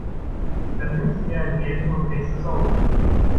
Dann nimmst du dir einen Besen und fegst es auf.